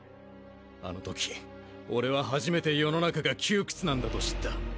あの時俺は初めて世の中が窮屈なんだと知った。